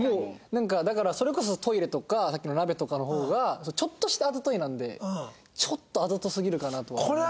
なんかだからそれこそトイレとかさっきの鍋とかの方がちょっとしたあざといなのでちょっとあざとすぎるかなとは思いましたね。